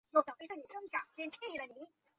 兴化话本来都保留着的鼻韵母。